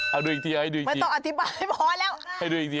เอาดูอีกที